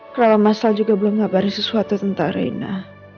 kenapa masal juga belum ngabarin sesuatu tentang reina